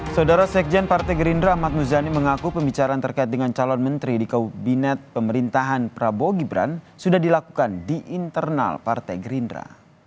saudara sekjen partai gerindra ahmad muzani mengaku pembicaraan terkait dengan calon menteri di kabinet pemerintahan prabowo gibran sudah dilakukan di internal partai gerindra